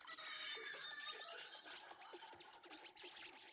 Díky obchodu s Araby se hedvábí rozšířilo i na jih.